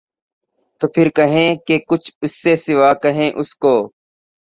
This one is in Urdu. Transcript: تو پھر کہیں کہ کچھ اِس سے سوا کہیں اُس کو